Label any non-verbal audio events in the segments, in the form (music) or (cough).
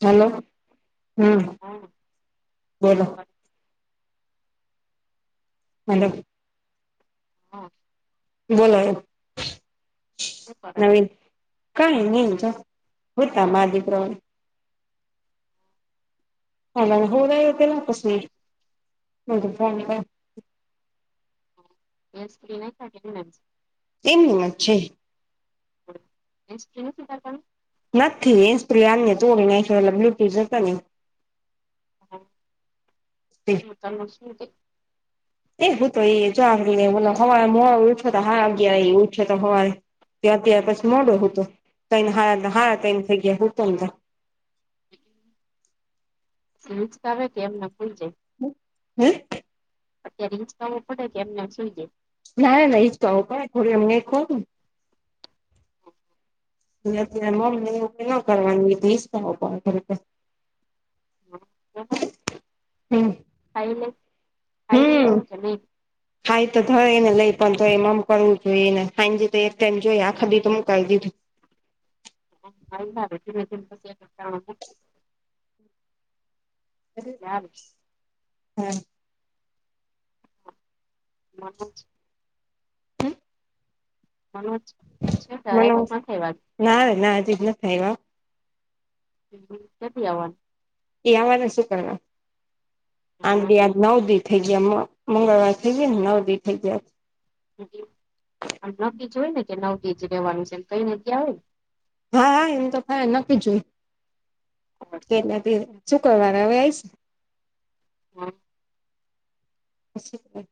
Hello હમ બોલો મતલબ હા બોલોય નવીન કઈ નહી જો હુતા મા દીકરો ઓલા ને હુવડાવ્યો પેહલા પછી (unintelligible) (unintelligible) એમની વાત છે એ (unintelligible) નથી હેન્ડ સ્પ્રિય આને તોડી નાખય ઓલા બ્લુટૂથ જોતા ને હ હ તમે શું કે એ હું તો ઈ જો ઓલો હવારે મોડો ઉઠયો તો હારા અગિયાર ઉથયો હવારે ત્યા અત્યારે પછી મોડો હુતો તઈણ હારા તઈણ થઈ ગયા હુંતો તો તું હીંચકા વે કે એમને હુઈ જાય હ હમ અ્યારે હિકવો પડે કે એમનેમ શઈ જાય ના ના એ તોું થોડીું અમને ખો ્યારેમ ના કરવાની હીંચવો પડે થોડી વાર જાય હમ (unintelligible) હાાઈ તો થરેને લઈ પણ તો એમાંમ કરવું જોઈએને ખાઈને જે એક ટાઈમ જોઈ આખા બી તો કરી દીધું હા એ ત ત (unintelligible) આવે હા ના મ થ મને વાત (unintelligible) ના રે ના આજે નથી આવ્યા કેદી આવાના એ આવાનું શું કરવા આ નવ દિ થઈ ગયા મંગળવાર થઈ ગયા ને નવ દિ થઈ ગયા આમ નકીજ હોય ને કે નવકીજ રેવાનું છે એમ કઈ નક આવેય હા હા એમ તો ખ ન જોય હોય કેનાથી શુક્રવારે હવે આવીઈશ હા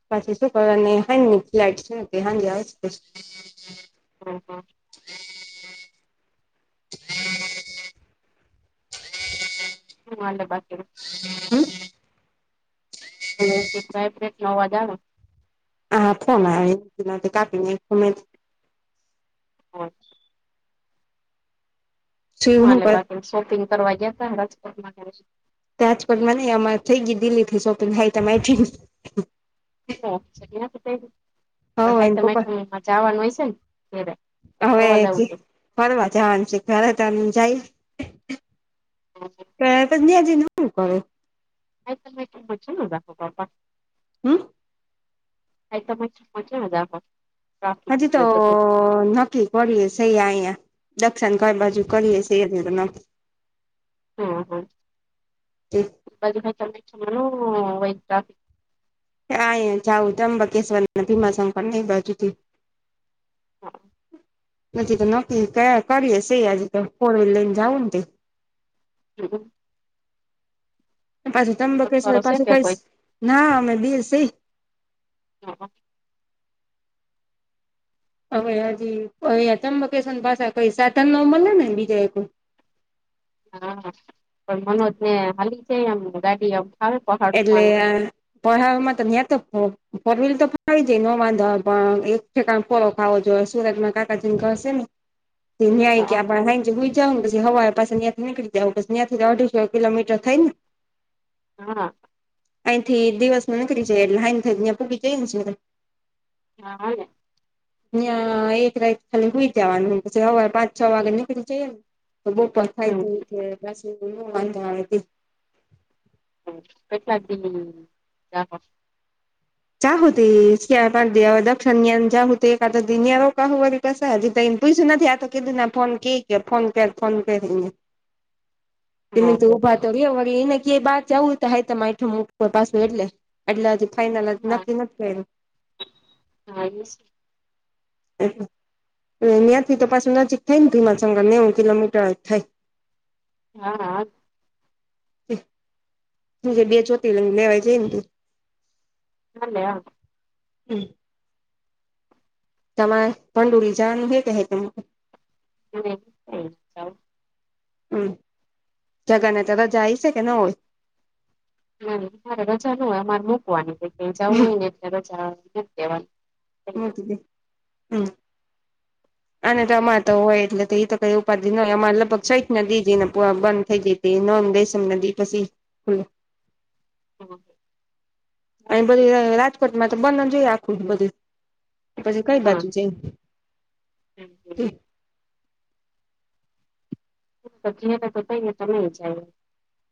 પાછી શું કરવા ને હા ફ્લાટ છે હા આવે હા હા હુ હાલે એ બાકીનું હમ (unintelligible) નો અવાજ આવે હા ફોન આવી તો કાપીને (inaudible) શું હું હાલે કર બાકી શોપિંગ કરવા ગયા તા રાજકોટ મા ક્યારે ત્યાંજ પણ મને અમાં થઈ ગય દિલ્લી થી સોપિંગ થાઈ તમેચ પ પણ હાઈ એને પપ્પા (unintelligible) જાવાનું હૈયેસે ત્યારે હવે ફરવા જવાનું છે ફરે ત જાય હ (unintelligible) (unintelligible) આ છે ન દખો બાપ (unintelligible) હમ જો આપ (unintelligible) હજી તો ના ી કરીએ સ અહીયા દશન કઈ બાજુ કરીએ સ (unintelligible) હમ હમ છે પદ હદ નિમશનું વૈદ ટફ (unintelligible) આ જઉું જંબકેશ્વર ભીમાશ પણ ન બાજુથી (unintelligible) નથી તો નક્કી કયા કરીએ શે આજે તો ફોર વ્હીલ લઈને જાઉં તે હમ (unintelligible) પાછું અખબારો તમ્બકેશ્વર છે પાછું કે કૈસ કોઈ ના અમે બેસી હ હવે હજી કોઈ તમ્બકેશ્વર ભાષા કઈ સાધન મળે ને બીજા એક હા પણ મનોજ ને હાલી છે એમ મરાઠી ફાવે પહાડુંમાં એટલે તો (unintelligible) ફોર વ્હીલ તો (unintelligible) પણ આવી જાય ન વાંધો પણ એ ઠેકાણ પોળો ખાવો જોઈએ સુરતમાં કાકાજીને ઘશે ને (inaudible) (unintelligible) આપડે હા (unintelligible) જ પછી હવા લરે પાસાં ત્યાંથી નીકળી જવું પછ તયાંથી અઢીસોં કિલોમીટર થઈ ને હા અહીંથી દિવસ મા નીકળી જાયે એટલે (unintelligible) હા ન્યાં એક રાત ખાલી હું ઈ જવાનું પછી સવાર પાંચ છ વાગે નીકળી જઈએ હમ ને (unintelligible) હ કેટલા (unintelligible) જ્યા હોદી દક્ષણની આમ (unintelligible) પસા હજી તો એને પૂયસુ નથી આતો કેધું ના ફોન કે કે ફોન કર ફોન કર એંને (inaudible) એને તો ઉભા કરીએ વળી એને કેય બાર જવું હોય તો માઠું મુકતો પાછું એટલે એટલે ફાઇનલ નક્કી નથી કયરુ હા (unintelligible) એ એ ત્યાંથી તો પાછું નજીક થઈ ને ભીમાશંકર નેવું કિલોમીટર જ થાય હા હું જે બે જ્યોતિ લિંગ લેવાય જાય ને ત હાલે હા તમારે પંડુરી જાવાનું હે કહે (unintelligible) હમ (unintelligible) હમ જગા ને જગા જાય છે કે ને હોય ના મારે રજા ન હોય અમારે મૂકવાની કે ક જવું હોય ને એ રજા નથી દેવાની (unintelligible) મુકીદે હંમ આને તો અમાર તો હોય એટલે તો એ તો કઈ ઉપાધિ ન હોય અમારે લગભગ સઈ જ ને દી જઈ ને પ બંધ થઈ જાય તે નોન વેસમ નદી પસી ખુલે હ અન બધું રાજકોટમાં તો બંધ જ હોય આખું જ બધું પછી કઈ હા બાજુ છે (unintelligible)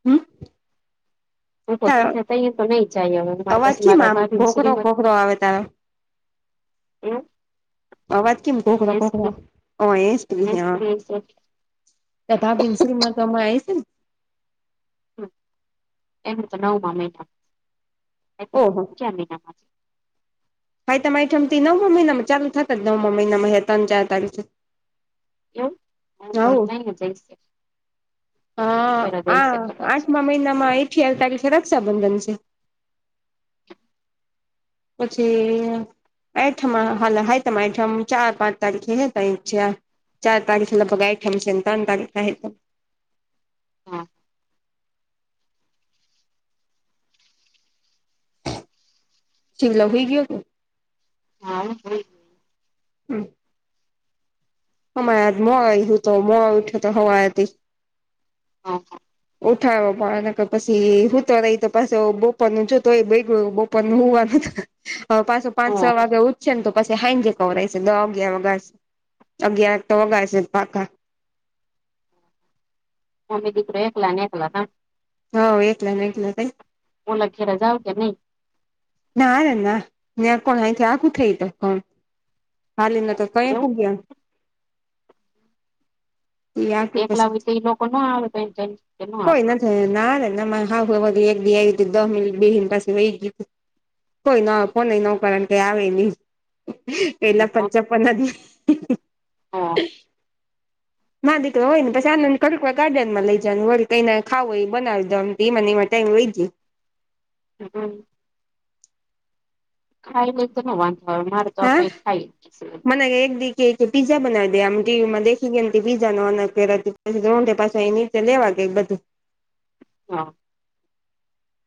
હમ તારો અવાજ કેમ આમ (unintelligible) ઘોઘરો ઘોઘરો આવે તારો એવું અવાજ કેમ કોકળો કોકળો અએસ (unintelligible) (unintelligible) તા ભાગીનમા તમેં આયે છે ને ઓહો (unintelligible) સાતમ આઠમ થી નવમા મહિનામાં ચાલુ થતા જ નવમા મહિનામાંયા ત્રણ ચાર તારીખ એવું (unintelligible) પેલા હા આ જઈશે કદાચ આઠમા મહિનામાં ઇઠીયાર તારીખે રક્ષાબંધન છે પછી આઠ હાલ હાતમ આઠમ ચાર પાંચ તારીખે હે ત છે ચાર તારીખે લગભગ આઠમ છે અને ત્રણ તારીખે હા શિમલા હોઈ ગયો હતો હા હ હમ હમા મો આવ્યું તો મોવા ઠ્યો તો હવાથી હા હ ઉઠાવવા પછી હુંતો નહીં તો પાછો બોપોર નું જોતોું હોય બેગ બપોરનું હુવા થી પાછો પાંચ છ વાગ્યા ઉછશે ને તો પાછી હાઈન્જે કવરાય છે દ વાગયાર વાગ્યા અગિયાર તો વાગશે પાછા મોટો દીકરો એકલા ને એકલા ના હા એટલે ટલે ત ઓલા ઘેરા જાઉં કિં નહીં? ના ર ના ને કોણ અહીથી આગું થઈ તો કોણ હાલી ન તો કઈ એવું પૂગ્યા એ આટલું પછી દેખલાતે એ લોકો ના આવે તો આવે હ ના હા એક બેી આવી દ મિનિટ બેિ પાસે વ ગયું કોઈ ના કો નહી ન કારણ કઈ આવે નહી પેલા હા, પંચ પણ નથી હા મા દીકરો હોય ને પછ આનંદ ખક ગ્ડન માં લઈ જનું વળ કઈને ખાવું એ બનાવી દમ એને એ ટાઈમ લઈ જાય હમ ખાઈ લ તો ન વાંધો હોય મારે તો હા કઈ થાય જ મને એક દી કે પીઝા બનાવી દે આમ ટીવી માંખી કેમ પીઝા ન ના અ કરછટે પાછા એને એ લેવા ગઈ બધું. હા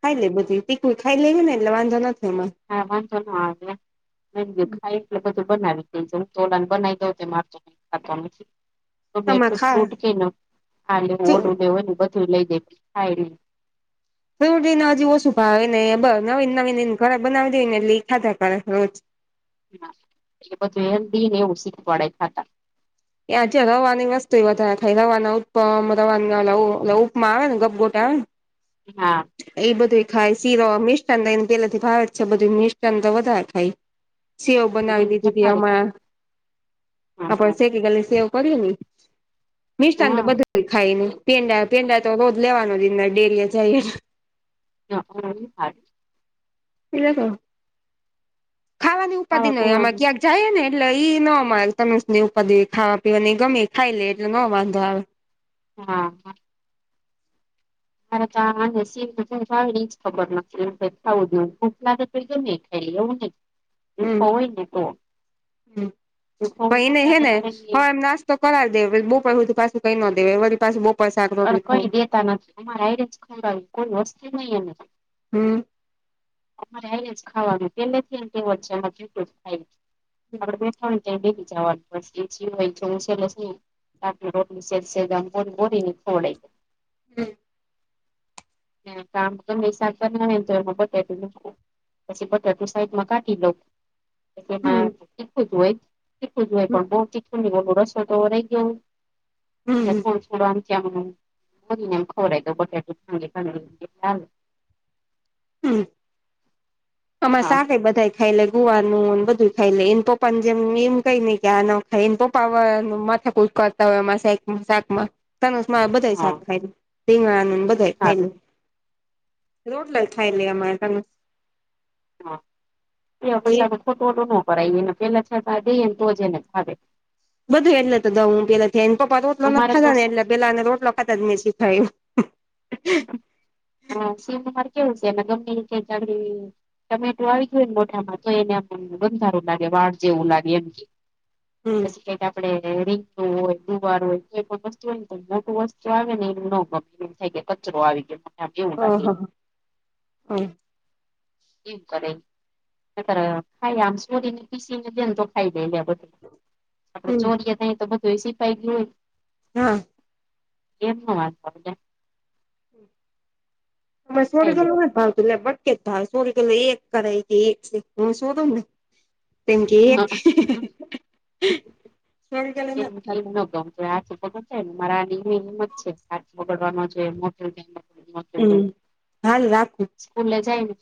ખાઈ લે બધી તીખું ખાઈ લેવી ને એટલે વાંધો નથી અમાં હ વાન શ આવેલે (unintelligible) ન ખાય એટલે બધું બનાવી દે તોલાને બનાવી દઉ માર તો ખાતો નથી આમાં તોલું ખા ફ્રૂટ કે ન ખાલે ઓનું મે હોયને બધું લઈ દેાય ોટલીને હજુ ઓછું ભાવ ને બ નવીન નવીન એ ઘર બનાવી દે ને એ લ ખાતા કર રોજ હ એટલે બધું એ દી ને ઉછિત પડે ખતા એ આજે રવાની વસ્તુ એ વધારે ખાય રવાના ઉપ રવાની ઉપમા આવે ને ગભગોટ આવે ને હા એ બધું ખાય શીરો મિસ્ટા તો એ પેલાથી ભાવે જ છે. બધું મિસ્ટા તો વધારે ખાય સેવ બનાવી હમ, દીધી હતી સારું હણા હા હા આપડ શેકી ગલે સેવ કરીએ ને મિષાન તો હા બધું જ ખાય નને પેંડા પેંડા તો રોજ લેવાનો જ ડેરી જાય હ હા ખાવાની ઉપાધિ ખાવા ન. હોય આમાં પીવાનું ક્યાંક જાય ને એટલે ઈ ન મળ તમેનેવ ઉપાદ ખાવા પીવા ને એ ગમે ખાઈ લે એટલે ન વાંધો આવે હા હા મારે ચાને સી નથી ખાવ એ જ ખબર નથી એમ ખાવું દું ખટલા ગમે ખ એવું ને ચીખો હમ હોય ને તો ચો હોય ત કહી તો કરાવ દે બોધું પાસે કઈ ન. દેવે વરી પાસે બ અ કઈ દેતા નથી અમારે આજ ખબાવ કોઈ વસ્તી નહી એ હમ અમારે આવીને જ ખાવાનું તે નથી તે વચ્ચેમાં કેટું ખાય આપડે બે એ બીજા વાતી હોય હું છે. લી રોટ સેોોને ખોડા હમ હ કામ તો સારય પછી પટટું સાઈટમાં કાઢી લોઉ એ હમ ચીખું જોય ચીખું જોય પણ બ ચીખું બ ર તો રહી હમ ગયો હલો આમચમ મૂનેમ ખૌરા દો ગોઠથી ફંગલી ફ હમ આમાં હા શાક બધા- ખાઈ લે ગુવાનું બધું ખાઈ લ એને પપ્પાને જેમ એમ કઈ નઈ કે આ ન ખાય એને પપા માથ કરતા હોય એમાં શક શાક માં તનસ મા બધા હા શાક ખાયલી રીગણાનું બધા ખાયલ હારું રોડ લ થાય લ મા ત હા એ પછીે ખોટો વટો ન કરાવએ ને પેલા છતાં દઈને તો જ એને ખાવે બધું એટલે તોઉ હું પેલા થઈને પપ્પ રોટલા ના અમારે તો થતા ને એટલે પેલાને રોટ હતત મિરચી ખાયું હા સિહમાર કેવું છે ગમમે કેડી ટમેટો આવી ગયોને મોઠામાં તો એને બંધારું લાગે વાળ જેવું લાગે એમ કે હમ પછી કઈ આપડે રીું હોય દુવા હોય તો પણ વસ્તુ હોને મોટું વસ્તુ આવે ને એ ન ગી એ થઈ ગય કચરો આવી ગયો મ એવું હ લાગે હ હમ એવ કરે ખાઈ આમ સુધ ને પીસી ને દેને તો ખાઈ લે લ બધી આપડે હમ ચોરીએ થ તો બધું એ સીફાઈ ગયું હા એમનો વાત કર ત સોળ ખાઈ લે કલો ન જ ભાવ તું એટલે બટકે જ ભાવ સોળ કેલો એક કરાય છે. એક છે. હું શુંધ ને પમકી એમ એકલા એમ ખા ન ગમતું હાથી ને મારાની હિંમત છે. હાથ બગડવાનો મોટ હમ હાલ રાખું સ્કૂલલે જાયને